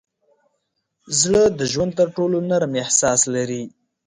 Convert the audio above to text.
زړه د ژوند تر ټولو نرم احساس لري.